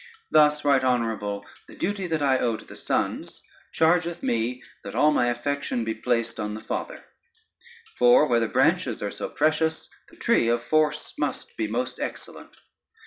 Thus, right honorable, the duty that I owe to the sons, chargeth me that all my affection be placed on the father; for where the branches are so precious, the tree of force must be most excellent.